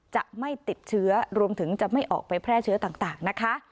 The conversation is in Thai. จะไม่ติดเชื้อรวมถึงจะไม่ออกไปแพร่เชื้อต่างนะคะ